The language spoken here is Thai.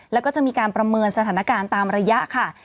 แล้วก็จะมีการประเมินสถานการณ์ตามระยะค่ะ